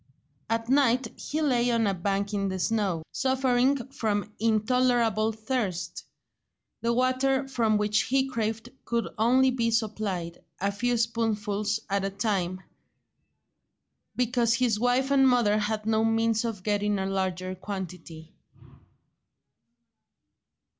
At night he lay on a bank in the snow, suffering from intolerable thirst; the water for which he craved could only be supplied, a few spoonfuls at a time, because his wife and mother had no means of getting a larger quantity.